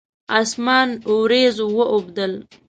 اسمان اوریځ واوبدل